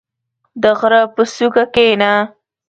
• د غره په څوکه کښېنه.